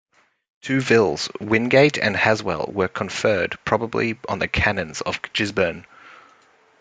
Two vills, Wingate and Haswell, were conferred, probably on the canons of Gisburn.